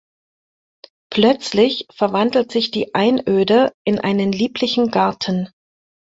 Plötzlich verwandelt sich die Einöde in einen lieblichen Garten.